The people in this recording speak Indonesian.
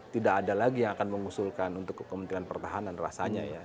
tidak ada lagi yang akan mengusulkan untuk kementerian pertahanan rasanya ya